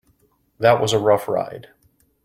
That was a rough ride.